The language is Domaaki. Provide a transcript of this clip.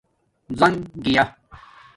زنگ گیا